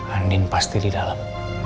andin pasti di dalam